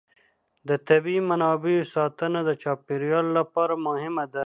د طبیعي منابعو ساتنه د چاپېر یال لپاره مهمه ده.